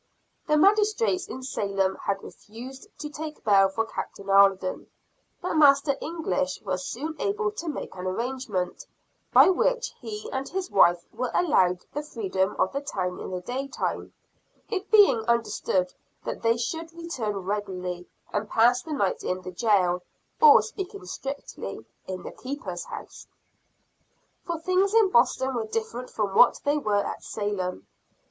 The magistrates in Salem had refused to take bail for Captain Alden; but Master English was soon able to make an arrangement, by which he and his wife were allowed the freedom of the town in the daytime; it being understood that they should return regularly, and pass the night in the jail or, speaking strictly, in the Keeper's house. For things in Boston were different from what they were at Salem.